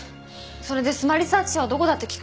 それでスマ・リサーチ社はどこだって聞くから。